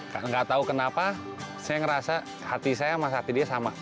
tidak tahu kenapa saya merasa hati saya sama hati dia sama